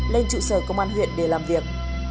lên trụ sở công an huyện để làm việc